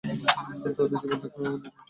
তাই তাঁদের জীবনালেখ্য আমাদের জীবন পাথেয়।